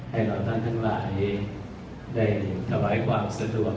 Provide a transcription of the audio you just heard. เหล่าท่านทั้งหลายได้ถวายความสะดวก